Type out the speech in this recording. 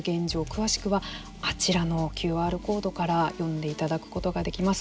詳しくはあちらのＱＲコードから読んでいただくことができます。